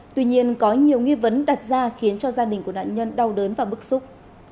tuy nhiên có nhiều nghi vấn đặt ra khiến cho gia đình của nạn nhân đau đớn và bức xúc